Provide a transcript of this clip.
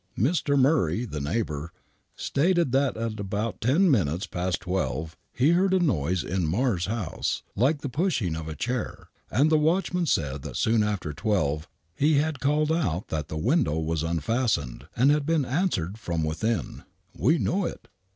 Mr. Murry, the neighbor, stated that at about ten mmutes past twelve he heard a noise in Marr's house like the pushing of a chair,, and the watchman said that soon after twelve he had called out that the window was unfastened, and had been answered from within. " We know it."